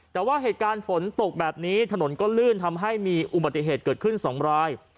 แต่ว่าเหตุการณ์ฝนตกแบบนี้ถนนก็ลื่นทำให้มีอุบัติเหตุเกิดขึ้น๒ราย